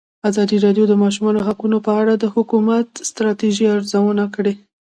ازادي راډیو د د ماشومانو حقونه په اړه د حکومتي ستراتیژۍ ارزونه کړې.